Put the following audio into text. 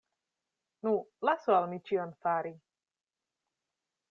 Nu, lasu al mi ĉion fari!